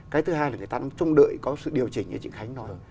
cái thứ hai là người ta đang trông đợi có sự điều chỉnh như chị khánh nói